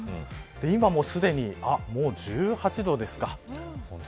今もすでに１８度ですか。